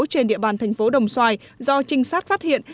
trên địa bàn tp đồng xoài do trinh sát phát hiện